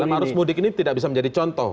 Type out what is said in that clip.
salah harus mudik ini tidak bisa menjadi contoh